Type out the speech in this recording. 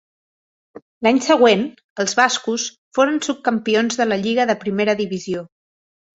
L'any següent els bascos foren subcampions de la Lliga de primera divisió.